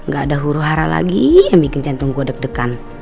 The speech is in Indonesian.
gak ada huru hara lagi yang bikin jantung gue deg degan